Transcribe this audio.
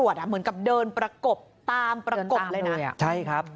ใช่ครับ